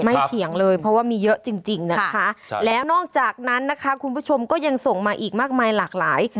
เถียงเลยเพราะว่ามีเยอะจริงจริงนะคะแล้วนอกจากนั้นนะคะคุณผู้ชมก็ยังส่งมาอีกมากมายหลากหลาย